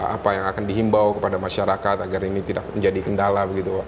apa yang akan dihimbau kepada masyarakat agar ini tidak menjadi kendala begitu